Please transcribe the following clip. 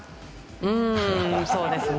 うんそうですね。